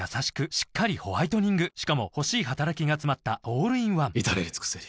しっかりホワイトニングしかも欲しい働きがつまったオールインワン至れり尽せり